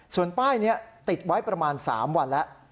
ส่วนป้ายนี้ติดไว้ประมาณ๓วันแล้ว